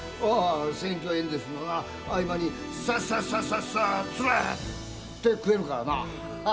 選挙演説の合間にサッサッサッサッサッツルッて食えるからな。